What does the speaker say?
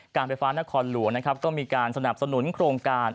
การไฟฟ้านครหลวงนะครับก็มีการสนับสนุนโครงการ